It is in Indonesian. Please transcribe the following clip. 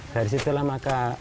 dari situlah maka